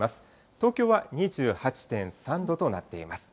東京は２８．３度となっています。